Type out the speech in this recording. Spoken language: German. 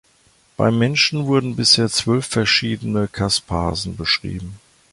Beim Menschen wurden bisher zwölf verschiedene Caspasen beschrieben.